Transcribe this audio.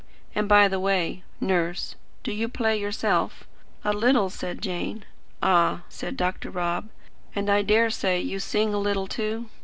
And, by the way, Nurse, do you play yourself?" "A little," said Jane. "Ah," said Dr. Rob. "And I dare say you sing a little, too?"